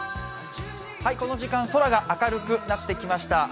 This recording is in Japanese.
この時間、空が明るくなってきました。